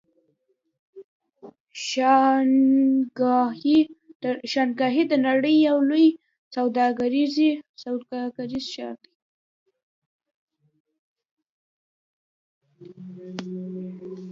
شانګهای د نړۍ یو لوی سوداګریز ښار دی.